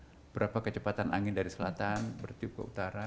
berapa udara berapa kecepatan angin dari selatan bertukar ke utara